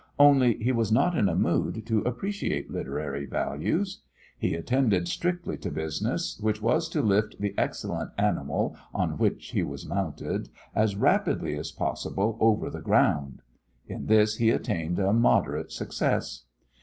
Only he was not in a mood to appreciate literary values. He attended strictly to business, which was to lift the excellent animal on which he was mounted as rapidly as possible over the ground. In this he attained a moderate success.